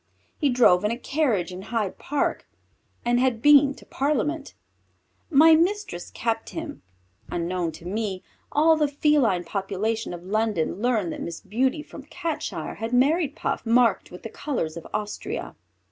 He drove in a carriage in Hyde Park and had been to parliament. My mistress kept him. Unknown to me, all the feline population of London learned that Miss Beauty from Catshire had married Puff, marked with the colours of Austria.